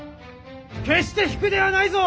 決して退くではないぞ！